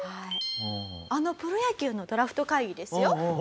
あのプロ野球のドラフト会議ですよ。